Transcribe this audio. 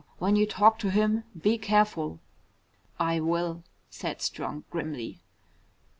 When you talk to him, be careful." "I will," said Strong grimly.